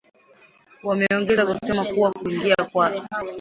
Wameongeza kusema kuwa kuingia kwa